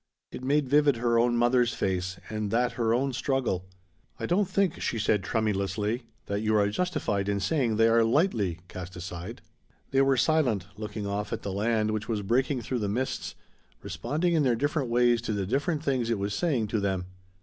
It made vivid her own mother's face, and that her own struggle. "I don't think," she said tremulously, "that you are justified in saying they are 'lightly' cast aside." They were silent, looking off at the land which was breaking through the mists, responding in their different ways to the different things it was saying to them.